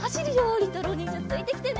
りんたろうにんじゃついてきてね。